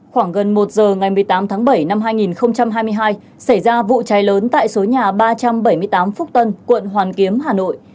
khoảng gần một giờ ngày một mươi tám tháng bảy năm hai nghìn hai mươi hai xảy ra vụ cháy lớn tại số nhà ba trăm bảy mươi tám phúc tân quận hoàn kiếm hà nội